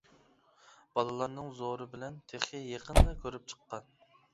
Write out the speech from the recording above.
بالىلارنىڭ زورى بىلەن تېخى يېقىندا كۆرۈپ چىققان.